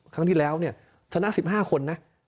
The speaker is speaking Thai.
ครั้งที่แล้วเนี่ยชนะ๑๕คนนะ